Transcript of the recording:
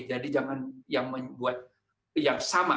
jadi jangan yang sama